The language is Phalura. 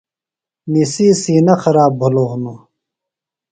نِسی سِینہ خراب بِھلوۡ ہِنوۡ۔